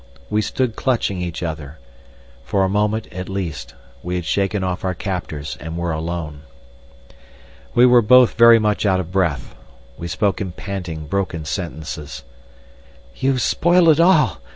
We stood clutching each other. For a moment, at least, we had shaken off our captors and were alone. We were both very much out of breath. We spoke in panting, broken sentences. "You've spoilt it all!"